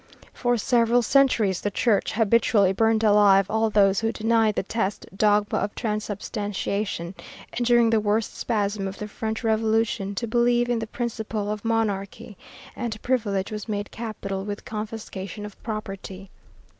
For several centuries the Church habitually burnt alive all those who denied the test dogma of transubstantiation, and during the worst spasm of the French Revolution to believe in the principle of monarchy and privilege was made capital with confiscation of property.